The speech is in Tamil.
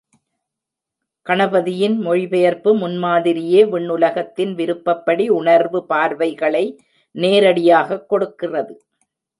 கணபதியின் மொழிபெயர்ப்பு முன்மாதிரியே, விண்ணுலகத்தின் விருப்பப்படி, உணர்வு பார்வைகளை நேரடியாகக் கொடுக்கிறது.